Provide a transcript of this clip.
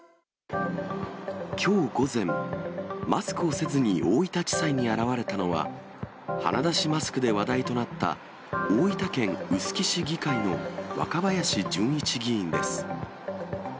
きょう午前、マスクをせずに大分地裁に現れたのは、鼻出しマスクで話題となった、大分県臼杵市議会の若林純一議員です。